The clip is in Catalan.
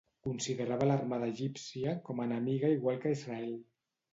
Considerava l'armada egípcia com enemiga igual que Israel.